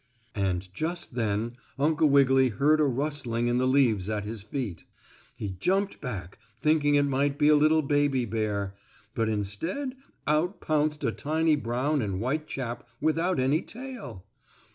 And just then Uncle Wiggily heard a rustling in the leaves at his feet. He jumped back, thinking it might be a little baby bear, but, instead out pounced a tiny brown and white chap without any tail.